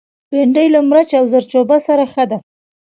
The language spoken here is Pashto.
بېنډۍ له مرچ او زردچوبه سره ښه ده